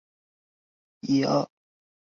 他也是斯特鲁米察区的区长。